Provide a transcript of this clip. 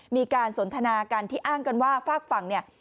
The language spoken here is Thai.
มีการสนทนากันที่อ้างกันว่าฝากฝั่งเนี่ย